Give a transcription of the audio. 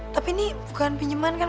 tapi ini bukan pinjaman kan